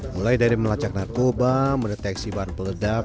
mulai dari melacak narkoba mendeteksi bahan peledak